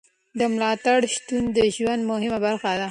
د ملاتړ شتون د ژوند مهمه برخه ده.